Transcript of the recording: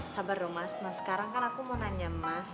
sabar dong mas nah sekarang kan aku mau nanya mas